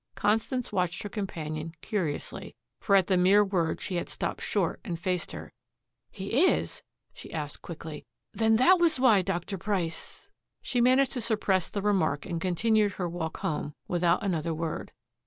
Constance watched her companion curiously, for at the mere word she had stopped short and faced her. "He is?" she asked quickly. "Then that was why Dr. Price " She managed to suppress the remark and continued her walk home without another word.